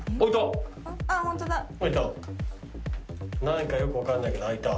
何かよく分かんないけど開いた。